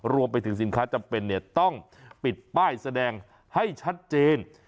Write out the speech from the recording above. รวมไปถึงสินค้าจำเป็นต้องปิดป้ายแสดงให้ชัดเจน